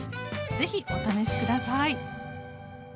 ぜひお試し下さい。